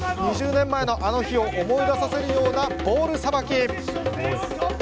２０年前のあの日を思い出させるようなボールさばき。